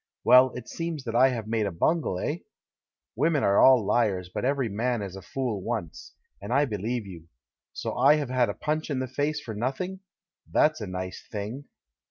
Well, it seems that I have made a bungle, eh? Women are all hars, but every man is a fool once, and I beheve you. So I have had a punch in the face for nothing? That's a nice thing!"